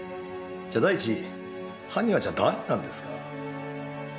じゃ第一犯人は誰なんですか？